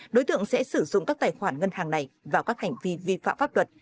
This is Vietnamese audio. đối tượng sẽ sử dụng các tài khoản ngân hàng này vào các hành vi vi phạm pháp luật